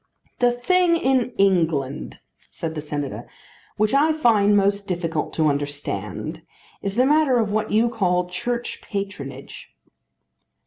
"The thing in England," said the Senator, "which I find most difficult to understand, is the matter of what you call Church patronage."